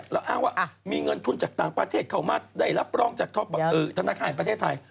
แล้วอ้างว่ามีเงินทุนจากต่างประเทศเข้ามาได้รับรองจากธนาคารแห่งประเทศไทย